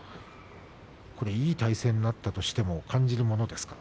これはいい体勢になったとしても感じるものですか。